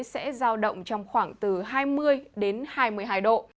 sẽ giao động trong khoảng từ hai mươi đến hai mươi hai độ